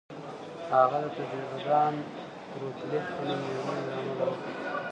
هغه دغه تجربه د ان روتلیج په نوم مېرمنې له امله وکړه